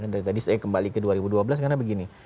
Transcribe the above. dari tadi saya kembali ke dua ribu dua belas karena begini